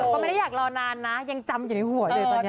ก็ไม่ได้อยากรอนานนะยังจำอยู่ในหัวเลยตอนนี้